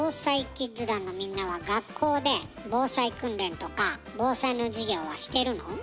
キッズ団のみんなは学校で防災訓練とか防災の授業はしてるの？